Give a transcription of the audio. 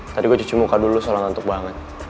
tadi gue cucu muka dulu solang ngantuk banget